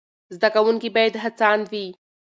زده کوونکي باید هڅاند وي.